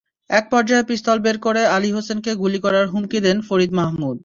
একপর্যায়ে পিস্তল বের করে আলী হোসেনকে গুলি করার হুমকি দেন ফরিদ মাহমুদ।